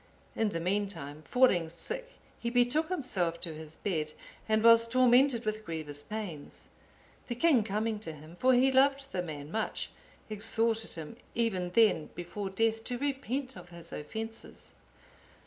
In the meantime, falling sick he betook himself to his bed, and was tormented with grievous pains. The king coming to him (for he loved the man much) exhorted him, even then, before death, to repent of his offences.